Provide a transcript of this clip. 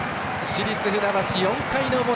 市立船橋、４回の表。